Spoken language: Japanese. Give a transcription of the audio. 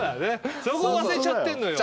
そこを忘れちゃってんのよ。